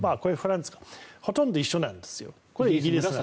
ほとんど一緒なんです。